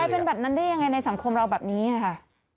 เป็นแบบนั้นได้ยังไงในสังคมเราแบบนี้ค่ะ